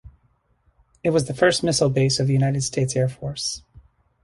It was the first missile base of the United States Air Force.